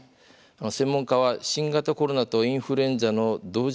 専門家は新型コロナとインフルエンザの同時